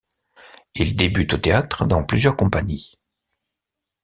Il débute au théâtre dans plusieurs compagnies.